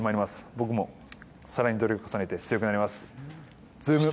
僕もさらに努力重ねて強くなります。